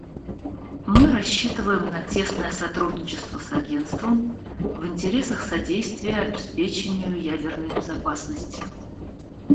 Мы рассчитываем на тесное сотрудничество с Агентством в интересах содействия обеспечению ядерной безопасности.